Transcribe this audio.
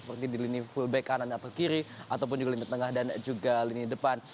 seperti di lini fullback kanan atau kiri ataupun juga lini tengah dan juga lini depan